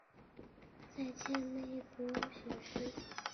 再迁内阁学士。